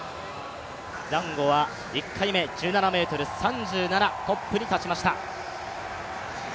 ザンゴは１回目、１７ｍ３７、トップに立ちました。